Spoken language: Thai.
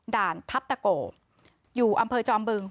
ด่านทัพตะโกอยู่อำเภอจอมบึง